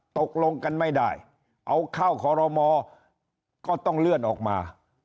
ตกลงกันไม่ได้เอาเข้าคอรมอก็ต้องเลื่อนออกมา